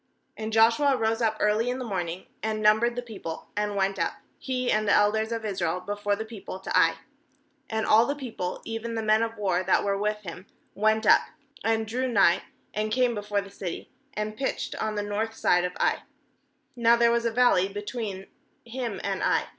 10And Joshua rose up early in the morning, and numbered the people, and went up, he and the elders of Israel, before the people to Ai. "And all the people, even the men of war that were with him, went up, and drew nigh, and came before the city, and pitched on the north side of Ai — now there was a valley between him and Ai.